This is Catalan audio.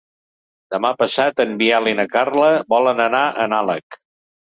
Demà passat en Biel i na Carla volen anar a Nalec.